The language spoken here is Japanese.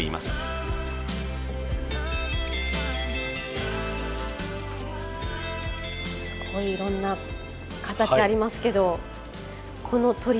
すごいいろんな形ありますけど。